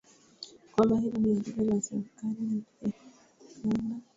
kwamba hilo ni agizo la serikali ya rwanda kila